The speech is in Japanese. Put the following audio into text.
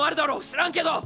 知らんけど。